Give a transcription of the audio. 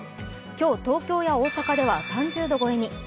今日、東京や大阪では３０度超えに。